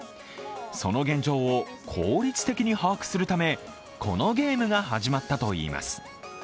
その現状を効率的に把握するためこのゲームが始まったといいます。